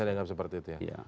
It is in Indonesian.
saya dianggap seperti itu ya